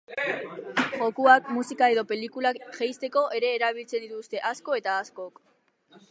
Jokuak, musika edo pelikulak jeisteko ere erabiltzen dituzte asko eta askok.